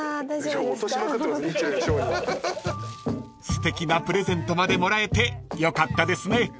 ［すてきなプレゼントまでもらえてよかったですね］